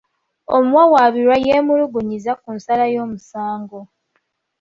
Omuwawaabirwa yemulugunyizza ku nsala y'omusango.